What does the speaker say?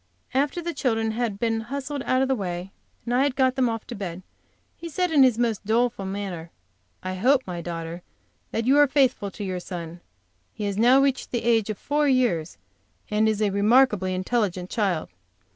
After the children had been hustled out of the way, and I had got them both off to bed, he said in his most doleful manner, "I hope, my daughter, that you are faithful to your son. He has now reached the age of four years, and is a remarkably intelligent child.